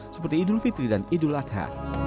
seperti idul fitri dan idul adha